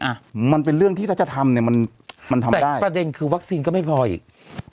อ่ะมันเป็นเรื่องที่ถ้าจะทำเนี่ยมันมันทำไม่ได้ประเด็นคือวัคซีนก็ไม่พออีก